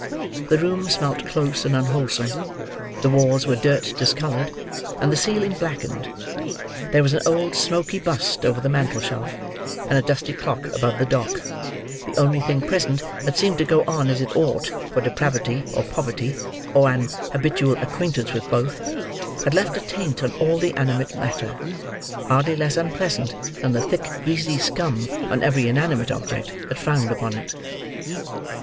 The room smelt close and unwholesome; the walls were dirt discoloured; and the ceiling blackened. There was an old smoky bust over the mantel shelf, and a dusty clock above the dock—the only thing present, that seemed to go on as it ought; for depravity, or poverty, or an habitual acquaintance with both, had left a taint on all the animate matter, hardly less unpleasant than the thick greasy scum on every inanimate object that frowned upon it.